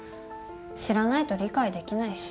知らないと理解できないし。